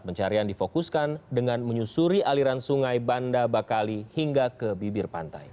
pencarian difokuskan dengan menyusuri aliran sungai banda bakali hingga ke bibir pantai